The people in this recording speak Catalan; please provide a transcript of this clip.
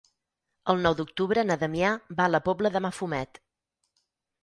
El nou d'octubre na Damià va a la Pobla de Mafumet.